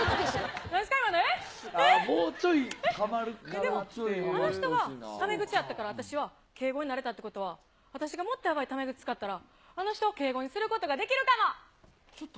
でも、あの人がため口やったから、私は敬語になれたということは、私がもっとやばいため口使ったら、あの人を敬語にすることができるかも。